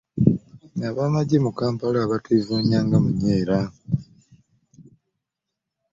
Abamagye mu Kampala batevunya nga munyera.